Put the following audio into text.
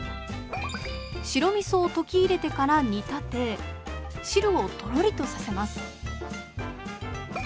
白みそを溶き入れてから煮立て汁をとろりとさせます。